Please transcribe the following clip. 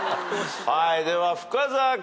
では深澤君。